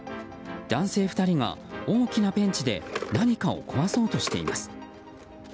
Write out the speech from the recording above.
男性２人が大きなペンチで何かを壊そうとしています。